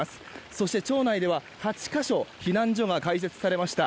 そして町内では８か所避難所が開設されました。